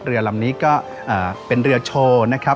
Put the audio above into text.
เรือลำนี้ก็เป็นเรือโชว์นะครับ